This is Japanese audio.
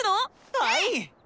はい！